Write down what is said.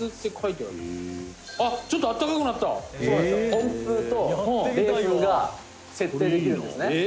「温風と冷風が設定できるんですね」